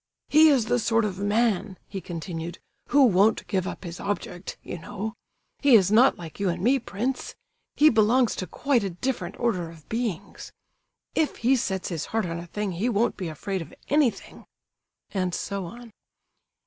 "He is the sort of man," he continued, "who won't give up his object, you know; he is not like you and me, prince—he belongs to quite a different order of beings. If he sets his heart on a thing he won't be afraid of anything—" and so on.